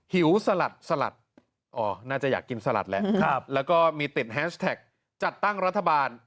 หิวสลัดสลัดน่าจะอยากกินสลัดแหละแล้วก็มีติดแฮชแท็กจัดตั้งรัฐบาล